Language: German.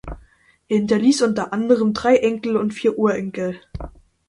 Er hinterließ unter anderem drei Enkel und vier Urenkel.